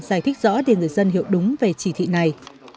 giải thích rõ để người dân hiểu đúng về chỉ thị này